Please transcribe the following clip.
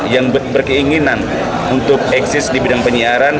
yang berkeinginan untuk eksis di bidang penyiaran